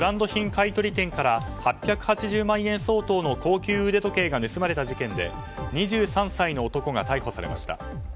買い取り店から８８０万円相当の高級腕時計が盗まれた事件で２３歳の男が逮捕されました。